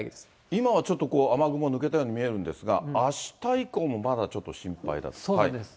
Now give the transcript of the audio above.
今はちょっと雨雲抜けたように見えるんですが、あした以降も、まだちょっとそうです。